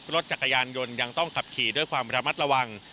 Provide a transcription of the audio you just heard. รถจักรยานยนต์ยังต้องขับขี่ด้วยความระมัดระวัง